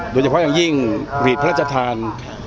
โดยเฉพาะอย่างยิ่งหลีดพระราชทาน